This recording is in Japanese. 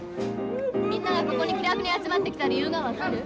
みんながここに気楽に集まってきた理由が分かる？